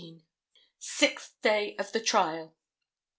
Sixth Day of the Trial.